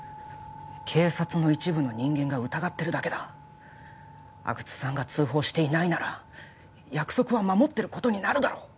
警察の一部の人間が疑ってるだけだ阿久津さんが通報していないなら約束は守ってることになるだろう？